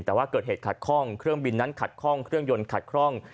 แต่ว่าเกิดเหตุขัดข้องเครื่องบินนั้นขัดข้องเครื่องยนต์ขัดคล่อง